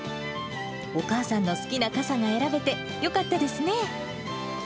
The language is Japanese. お母さんの好きな傘が選べてよかったですね。